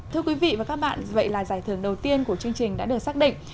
thưa quý vị và các bạn vậy là giải thưởng đầu tiên của chương trình đã được xác định